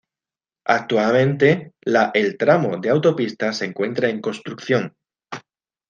Actualmente la el tramo de autopista se encuentra en construcción.